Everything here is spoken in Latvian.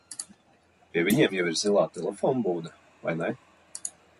Pie viņiem jau ir zilā telefonbūda, vai ne?